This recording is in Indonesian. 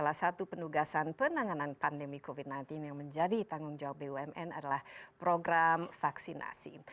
salah satu penugasan penanganan pandemi covid sembilan belas yang menjadi tanggung jawab bumn adalah program vaksinasi